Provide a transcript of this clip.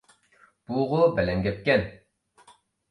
بۇغۇ بەلەن گەپ ئىكەن.